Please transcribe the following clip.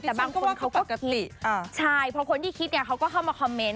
แต่บางคนเขาปกติใช่เพราะคนที่คิดเนี่ยเขาก็เข้ามาคอมเมนต